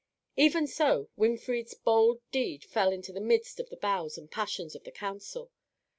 Even so Winfried's bold deed fell into the midst of the thoughts and passions of the council.